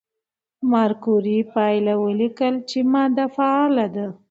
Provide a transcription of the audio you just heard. ماري کوري پایله ولیکله چې ماده فعاله ده.